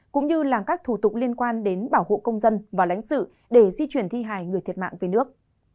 cũng như làm các thủ tục liên quan đến bảo hộ công dân và lãnh sự để di chuyển thi hài người thiệt mạng về nước